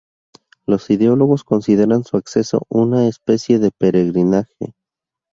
Los ideólogos consideran su acceso una especie de peregrinaje.